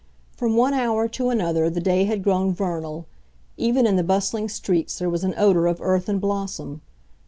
From one hour to another the day had grown vernal; even in the bustling streets there was an odor of earth and blossom.